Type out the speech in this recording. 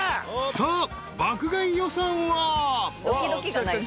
［さあ爆買い予算は］